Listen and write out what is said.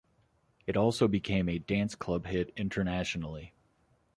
It also became a dance-club hit internationally.